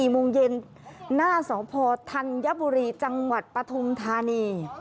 ๔โมงเย็นหน้าสพธัญบุรีจังหวัดปฐุมธานี